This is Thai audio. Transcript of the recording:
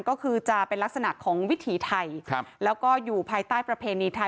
ก็เป็นลักษณะของวิถีไทยแล้วอยู่ภายใต้ประเภณนี้ไทย